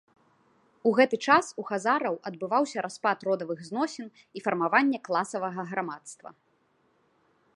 У гэты час у хазараў адбываўся распад родавых зносін і фармаванне класавага грамадства.